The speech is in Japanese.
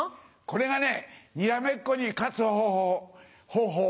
これがねにらめっこに勝つ方法。